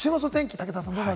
武田さん。